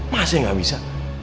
masih gak bisa